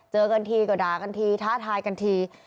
เจอกันทีก็ด่ากันทีท้าทายกันที